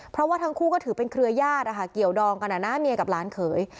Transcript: เพราะว่าทั้งคู่ก็ถือเป็นเครือญาติเกี่ยวดองกันนะเมียกับหลานเขย